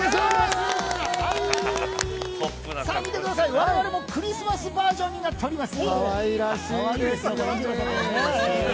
我々もクリスマスバージョンになっております。